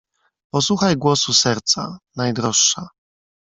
"Posłuchaj głosu serca, najdroższa!"